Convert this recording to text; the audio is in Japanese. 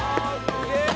すげえ！